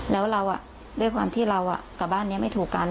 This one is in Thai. แล้วเราด้วยความที่เรากลับบ้านนี้ไม่ถูกกัน